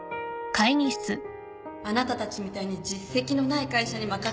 あなたたちみたいに実績のない会社に任せるのはねぇ